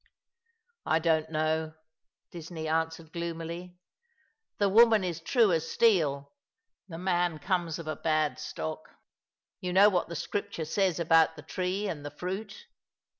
" I don't know," Disney answered gloomily. " The woman is true as steel— the man comes of a bad stock. You know what the Scripture says about the tree and the fruit."